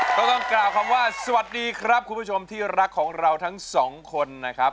ต้องกล่าวคำว่าสวัสดีครับคุณผู้ชมที่รักของเราทั้งสองคนนะครับ